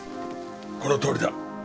このとおりだ。